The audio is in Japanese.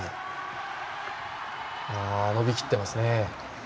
伸びきってますね。